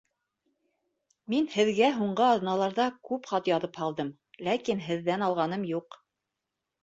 Мин һеҙгә һуңғы аҙналарҙа күп хат яҙып һалдым, ләкин һеҙҙән алғаным юҡ.